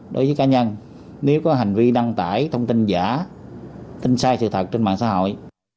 đối với cá nhân nếu có hành vi đăng tải thông tin giả tin sai sự thật trên mạng xã hội